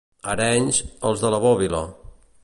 A Arenys, els de la bòbila.